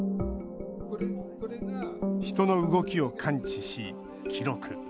人の動きを感知し記録。